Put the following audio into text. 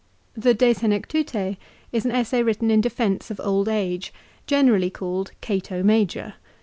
The "De Senectute" is an essay written in defence of old age, generally called " Cato Major."